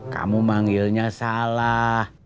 kamu manggilnya salah